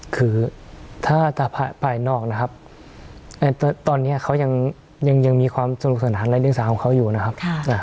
คือถ้าภายนอกนะครับตอนนี้เขายังมีความสนุกสนานในเรื่องสาวของเขาอยู่นะครับ